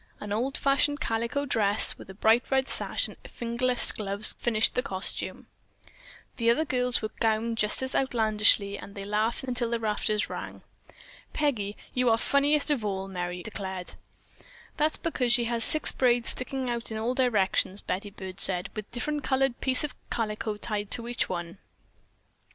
An old fashioned calico dress with a bright red sash and fingerless gloves finished the costume. The other girls were gowned just as outlandishly, and they laughed until the rafters rang. "Peggy, you are funniest of all," Merry declared. "That's because she has six braids sticking out in all directions," Betty Byrd said, "with a different colored piece of calico tied to each one."